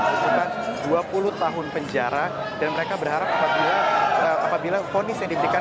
tuntutan dua puluh tahun penjara dan mereka berharap apabila ponis yang diberikan